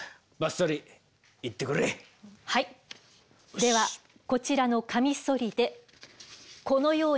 ではこちらのカミソリでこのように。